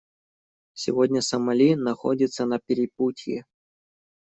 Сегодня Сомали находится на перепутье.